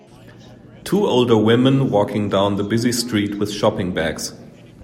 two older women walking down the busy street with shopping bags